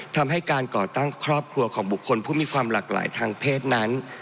ทำให้การก่อตั้งครอบครัวของบุคคลผู้มีความหลากหลายทางเพศนั้น